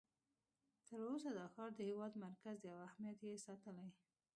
تر اوسه دا ښار د هېواد مرکز دی او اهمیت یې ساتلی.